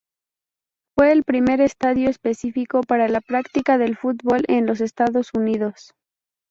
Fue el primer estadio especifico para la práctica del fútbol en los Estados Unidos.